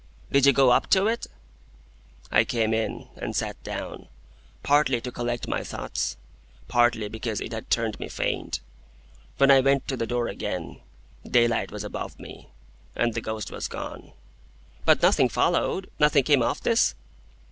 "Did you go up to it?" "I came in and sat down, partly to collect my thoughts, partly because it had turned me faint. When I went to the door again, daylight was above me, and the ghost was gone." "But nothing followed? Nothing came of this?"